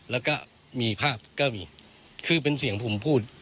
แล้วก็มีภาพก็มีคือเป็นเสียงผมพูด